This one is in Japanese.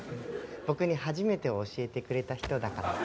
僕に「初めて」を教えてくれた人だからさ。